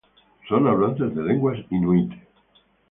Son hablantes de lenguas inuit.